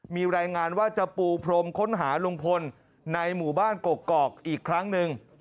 มีรายงานว่าจะปูพรมค้นหาลุงพลในหมู่บ้านกกอกอีกครั้งหนึ่ง